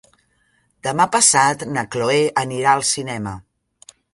Demà passat na Cloè anirà al cinema.